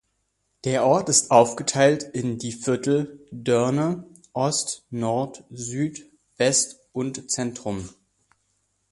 Der Ort ist aufgeteilt in die Viertel Deurne-Ost, -Nord, -Süd, -West und -Zentrum.